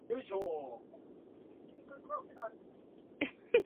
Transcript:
He served as the Finance Secretary of Bangladesh.